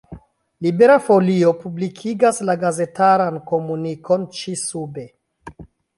Libera Folio publikigas la gazetaran komunikon ĉi-sube.